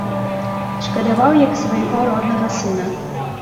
Шкадаваў, як свайго роднага сына.